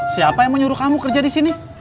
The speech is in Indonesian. siapa yang mau nyuruh kamu kerja di sini